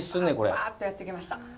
パッとやってきました。